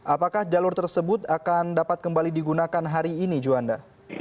apakah jalur tersebut akan dapat kembali digunakan hari ini juanda